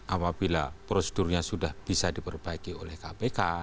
apabila prosedurnya sudah bisa diperbaiki oleh kpk